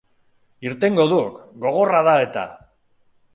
Irtengo duk, gogorra da eta!